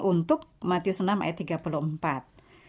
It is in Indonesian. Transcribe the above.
untuk matius enam ayat tiga puluh empat